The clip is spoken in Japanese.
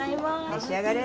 召し上がれ。